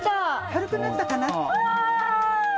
軽くなったかな。